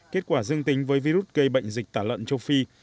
kết quả dương tính với virus gây bệnh dịch tả lợn châu phi